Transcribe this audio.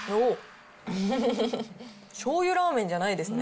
しょうゆラーメンじゃないですね。